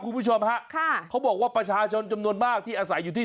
คุณผู้ชมฮะค่ะเขาบอกว่าประชาชนจำนวนมากที่อาศัยอยู่ที่